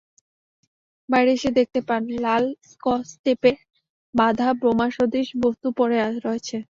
বাইরে এসে দেখতে পান, লাল স্কচটেপে বাঁধা বোমাসদৃশ বস্তু পড়ে রয়েছে।